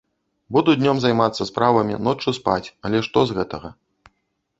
Буду днём займацца справамі, ноччу спаць, але што з гэтага?